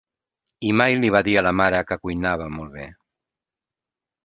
I mai li va dir a la mare que cuinava molt bé.